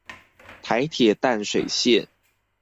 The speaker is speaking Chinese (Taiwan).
臺鐵淡水線